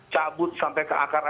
cabut sampai ke akar